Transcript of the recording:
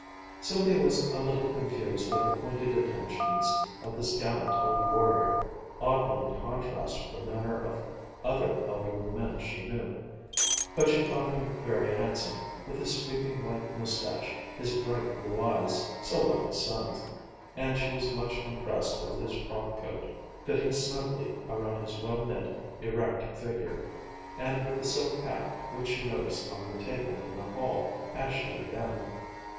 Sylvia was a little confused by the pointed attentions of this gallant old warrior, oddly in contrast with the manner of other elderly men she knew; but she thought him very handsome, with his sweeping white mustache, his bright blue eyes, so like his son's, and she was much impressed with his frock coat, fitting snugly around his well knit, erect figure, and with the silk hat which she noticed on the table in the hall as she went in.